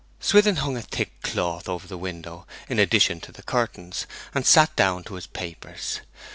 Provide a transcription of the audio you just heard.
Swithin hung a thick cloth over the window, in addition to the curtains, and sat down to his papers.